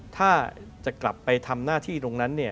ถ้าจะกลับไปทำหน้าที่ตรงนั้น